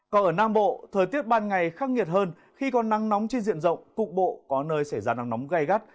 còn ở nam bộ thời tiết ban ngày khắc nghiệt hơn khi còn nắng nóng trên diện rộng cục bộ có nơi xảy ra nắng nóng gai gắt